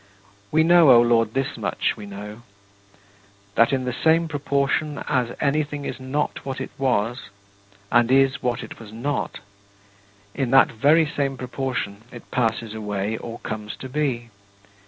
We know, O Lord, this much we know: that in the same proportion as anything is not what it was, and is what it was not, in that very same proportion it passes away or comes to be.